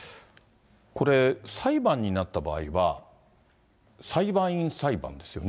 これ、裁判になった場合は、裁判員裁判ですよね。